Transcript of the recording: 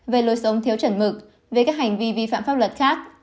về lối sống thiếu chuẩn mực về các hành vi vi phạm pháp luật khác